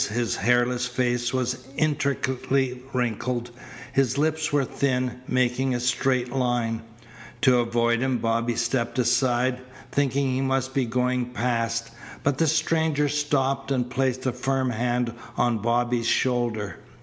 His hairless face was intricately wrinkled. His lips were thin, making a straight line. To avoid him Bobby stepped aside, thinking he must be going past, but the stranger stopped and placed a firm hand on Bobby's shoulder.